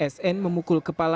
sn memukul kepala